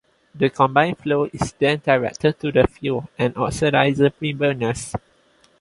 This combined flow is then directed to the fuel and oxidizer preburners.